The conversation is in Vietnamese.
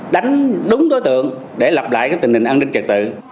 đánh đúng đối tượng để lập lại tình hình an ninh trật tự